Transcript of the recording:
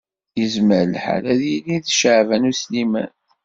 Yezmer lḥal ad yili d Caɛban U Sliman.